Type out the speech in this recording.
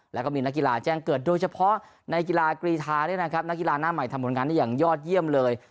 แล้วก็มีนักกีฬาแจ้งเกิดโดยเฉพาะในกีฬากรีธานักกีฬาหน้าใหม่ทำผลงานได้อย่างยอดเยี่ยมเลย